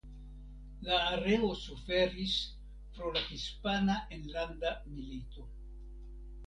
La areo suferis pro la Hispana Enlanda Milito.